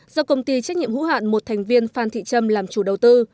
do công ty trách nhiệm hữu hạn một thành viên phan thị trâm làm chủ đầu tư